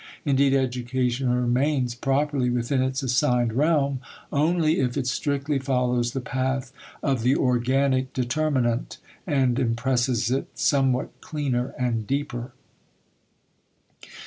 Indeed education remains properly within its assigned realm only if it strictly follows the path of the organic determinant and impresses it somewhat cleaner and deeper.